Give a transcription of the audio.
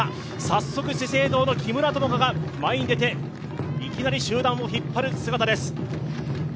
早速、資生堂の木村友香が前に出て、いきなり集団を引っ張る姿です。